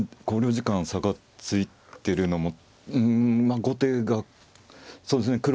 考慮時間差がついてるのも後手がそうですね